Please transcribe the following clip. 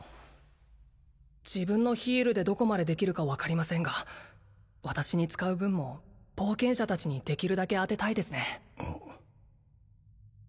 自分のヒールでどこまでできるか分かりませんが私に使う分も冒険者達にできるだけあてたいですね